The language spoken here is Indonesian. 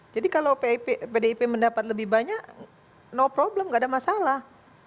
kalau pdip mendapat lebih banyak no problem nggak ada masalah